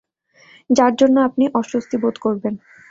যার জন্যে আপনি অস্বস্তি বোধ করবেন।